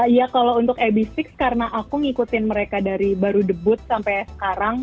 iya kalau untuk ab enam karena aku ngikutin mereka dari baru debut sampai sekarang